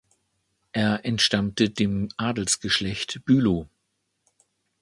Er entstammte dem Adelsgeschlecht Bülow.